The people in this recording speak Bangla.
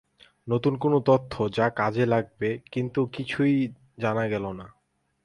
নতুন কোনো তথ্য, যা কাজে লাগবে, কিন্তু কিছুই জানা গেল না।